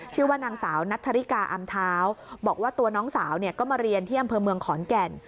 ชื่อว่านางสาวนัทธริกาอำเท้าบอกว่าตัวน้องสาวเนี่ยก็มาเรียนที่อำเภอเมืองขอนแก่น